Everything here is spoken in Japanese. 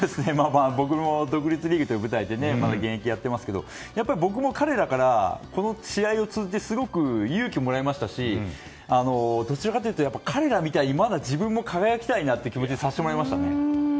僕も独立リーグという舞台でまだ現役をやっていますけど僕も彼らからこの試合を通じて勇気をもらいましたしどちらかというと彼らみたいにまだ自分も輝きたいなという気持ちにさせてもらいましたね。